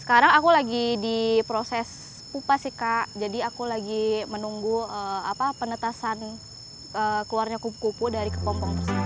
sekarang aku lagi di proses kupas sih kak jadi aku lagi menunggu penetasan keluarnya kupu kupu dari kepompong tersebut